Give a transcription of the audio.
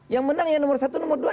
yang menang yang nomor satu nomor dua